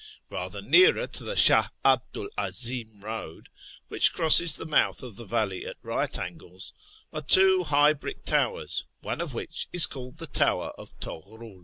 Eather nearer to the Shah 'Abdu 'l 'Azim road (which crosses the mouth of the valley at right angles), are two high brick towers, one of which is called the Tower of Toghrul.